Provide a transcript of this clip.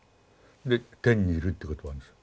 で「天にいる」って言葉あるんですよ。